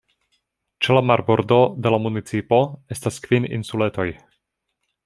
Ĉe la marbordo de la municipo estas kvin insuletoj.